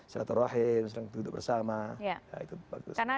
silaturahim sering duduk bersama